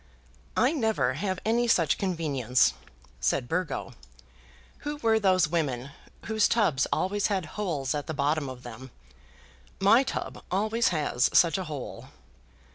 "I never have any such convenience," said Burgo. "Who were those women whose tubs always had holes at the bottom of them? My tub always has such a hole."